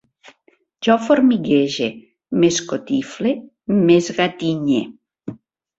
Jo formiguege, m'escotifle, m'esgatinye